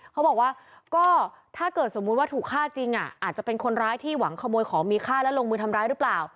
เขาบอกว่าก็ถ้าเกิดสมมุติว่าถูกฆ่าจริงอาจจะเป็นคนร้ายที่หวังขโมยของมีค่าและลงมือทำร้ายหรือเปล่า